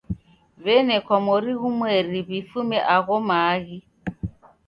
W'enekwa mori ghumweri w'ifume agho maaghi.